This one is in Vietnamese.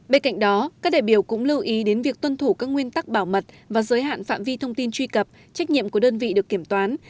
bên cạnh đó các đại biểu cũng lưu ý đến việc tuân thủ các nguyên tắc bảo mật và giới hạn phạm vi thông tin truy cập trách nhiệm của đơn vị được kiểm toán